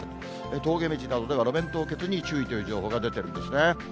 峠道などでは、路面凍結に注意という情報が出てるんですね。